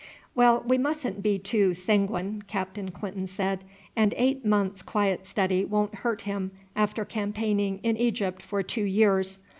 "Well, we mustn't be too sanguine," Captain Clinton said; "and eight months' quiet study won't hurt him after campaigning in Egypt for two years.